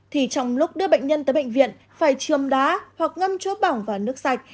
thì trong lúc đưa bệnh nhân tới bệnh viện phải chươm đá hoặc ngâm chỗ bỏng vào nước sạch